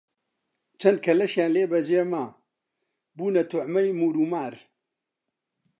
چەند کەلەشیان لێ بە جێ ما، بوونە توعمەی موور و مار